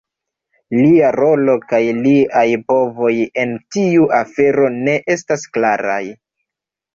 Lia rolo kaj liaj povoj en tiu afero ne estas klaraj.